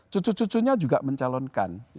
cucu cucunya juga mencalonkan